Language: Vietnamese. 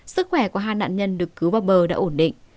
sức khỏe của hai nạn nhân được cứu vào bờ đã ổn định